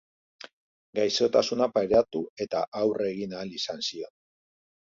Gaixotasuna pairatu eta aurre egin ahal izan zion.